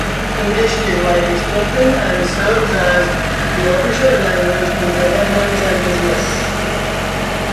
English is widely spoken and serves as the official language in governance and business.